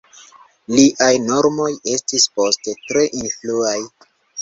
Liaj normoj estis poste tre influaj.